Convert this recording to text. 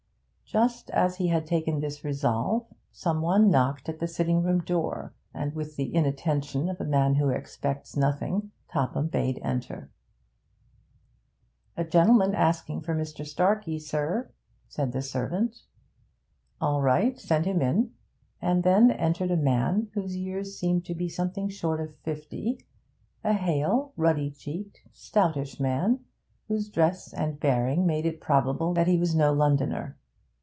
Just as he had taken this resolve some one knocked at the sitting room door, and with the inattention of a man who expects nothing, Topham bade enter. 'A gen'man asking for Mr. Starkey, sir,' said the servant. 'All right. Send him in.' And then entered a man whose years seemed to be something short of fifty, a hale, ruddy cheeked, stoutish man, whose dress and bearing made it probable that he was no Londoner.